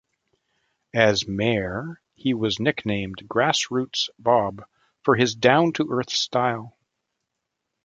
As mayor, he was nicknamed "Grassroots Bob," for his down-to-earth style.